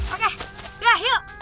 oke udah yuk